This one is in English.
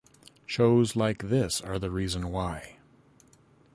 Shows like this are the reason why.